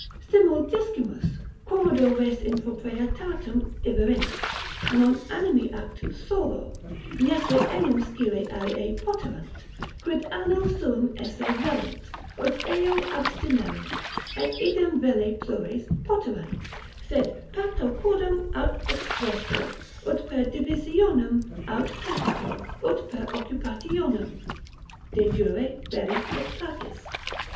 Simul discimus, quomodo res in proprietatem iverint; non animi actu solo, neque enim scire alii poterant, quid alil suum esse vellent, ut eo abstinerent, et idem velle plures poterant; sed pacto quodam aut expresso, ut per divisionem, aut tacito, ut per occupationem.' De jure belli et pacis.